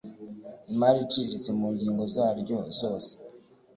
imari iciriritse mu ngingo zaryo zose